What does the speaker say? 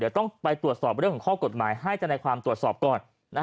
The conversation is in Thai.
เดี๋ยวต้องไปตรวจสอบเรื่องของข้อกฎหมายให้ธนายความตรวจสอบก่อน